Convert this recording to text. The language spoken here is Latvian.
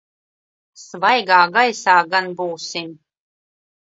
Svaigā gaisā gan būsim.